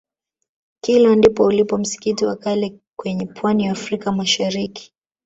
kilwa ndipo ulipo msikiti wa kale kwenye pwani ya africa mashariki